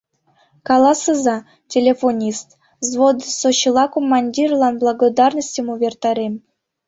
Каласыза, телефонист: взводысо чыла командирлан благодарностьым увертарем.